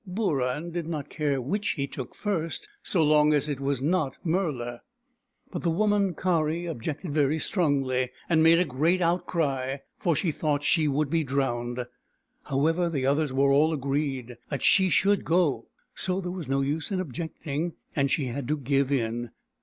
Booran did not care which he took first, so long as it was not Murla. But the woman Kari objected very strongly, and made a great outcry, for she thought she would be drowned. How ever, the others were all agreed that she should go, so there was no use in objecting, and she had to give in.